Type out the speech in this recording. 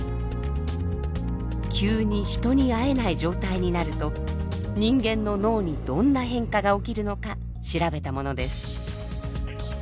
急に人に会えない状態になると人間の脳にどんな変化が起きるのか調べたものです。